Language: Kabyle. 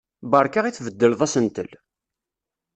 Beṛka i tbeddleḍ asentel!